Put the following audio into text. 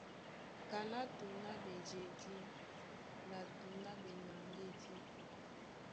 Kaná tǔŋ á ɓejedí na tǔŋ á ɓenaŋgédí.